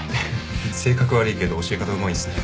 性格悪いけど教え方うまいんすね。